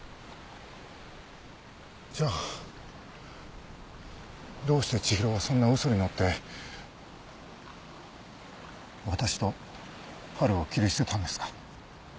じゃあどうして千尋はそんな嘘にのって私と波琉を切り捨てたんですか？